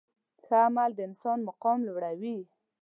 ښه عمل د انسان مقام لوړوي.